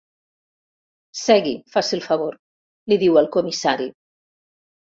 Segui, faci el favor —li diu el comissari—.